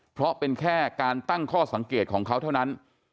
เพราะเป็นแค่การตั้งข้อสังเกตของเขาเท่านั้น